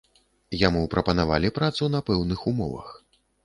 Яму прапанавалі працу на пэўных умовах.